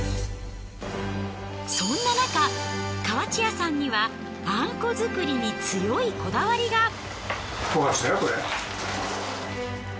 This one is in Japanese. そんななか河内屋さんにはあんこ作りに強いこだわりが。